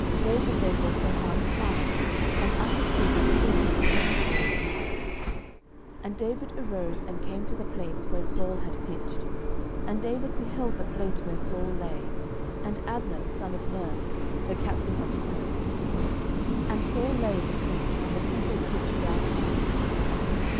09:026:004 David therefore sent out spies, and understood that Saul was come in very deed. 09:026:005 And David arose, and came to the place where Saul had pitched: and David beheld the place where Saul lay, and Abner the son of Ner, the captain of his host: and Saul lay in the trench, and the people pitched round about him.